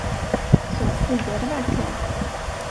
Så han friade verkligen?